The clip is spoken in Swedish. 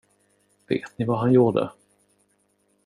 Vet ni vad han gjorde?